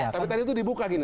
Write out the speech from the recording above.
tapi tadi itu dibuka gini